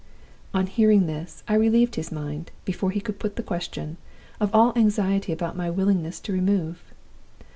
"On hearing this, I relieved his mind, before he could put the question, of all anxiety about my willingness to remove.